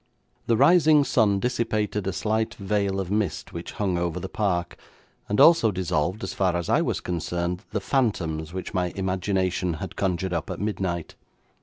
The rising sun dissipated a slight veil of mist which hung over the park, and also dissolved, so far as I was concerned, the phantoms which my imagination had conjured up at midnight.